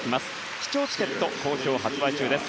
視聴チケット好評発売中です。